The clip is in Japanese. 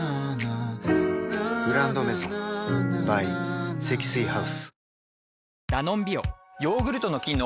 「グランドメゾン」ｂｙ 積水ハウス